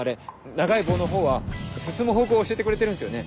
長い棒のほうは進む方向を教えてくれてるんすよね？